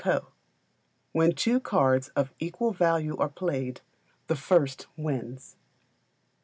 When two cards of equal value are played, the first wins.